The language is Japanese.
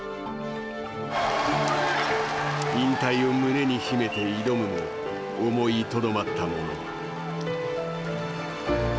引退を胸に秘めて挑むも思いとどまった者。